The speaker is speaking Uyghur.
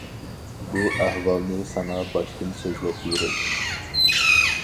بۇ ئەھۋالنى ساڭا باشتىن سۆزلەپ بېرەي.